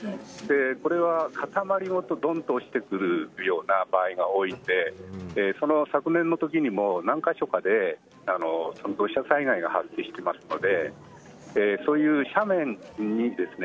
それが塊ごとどんと落ちてくる場合が多いので昨年の時にも何カ所かで土砂災害が発生していますのでそういう斜面にですね